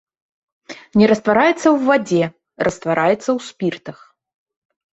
Не раствараецца ў вадзе, раствараецца ў спіртах.